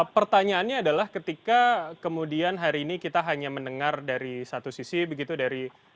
pertanyaannya adalah ketika kemudian hari ini kita hanya mendengar dari satu sisi begitu dari